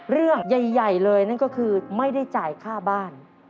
เรื่องใหญ่เลยนั่นก็คือไม่ได้จ่ายค่าบ้าน